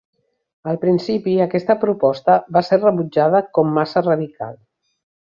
Al principi aquesta proposta va ser rebutjada com massa radical.